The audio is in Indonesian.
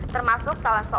terima kasih bu ersa